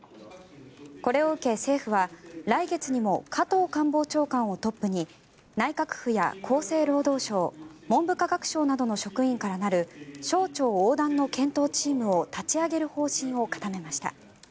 これを受け、政府は来月にも加藤官房長官をトップに内閣府や厚生労働省文部科学省などの職員からなる省庁横断の検討チームを立ち上げる方針を固めました。